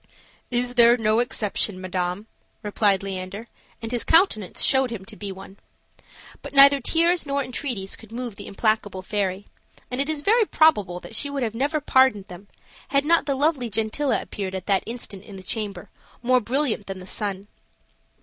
"Is there no exception, madam?" replied Leander, and his countenance showed him to be one. But neither tears nor entreaties could move the implacable fairy; and it is very probable that she would have never pardoned them, had not the lovely Gentilla appeared at that instant in the chamber, more brilliant than the sun.